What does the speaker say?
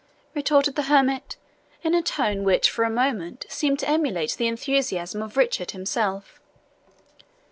retorted the hermit, in a tone which for a moment seemed to emulate the enthusiasm of Richard himself.